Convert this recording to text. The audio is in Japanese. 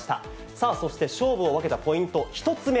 さあ、そして勝負を分けたポイント、１つ目。